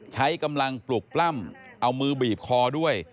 ใช้กำลังปลุกปล้ำเอามือบีบคอด้วย